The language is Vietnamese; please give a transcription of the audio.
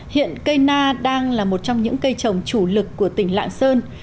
hiện cây na đang là một trong những cây trồng chủ lực của tỉnh lạng sơn